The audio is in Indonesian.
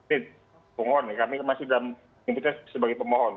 eh pemohon kami masih dalam impian sebagai pemohon